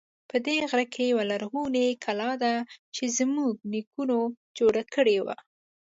په دې غره کې یوه لرغونی کلا ده چې زمونږ نیکونو جوړه کړی و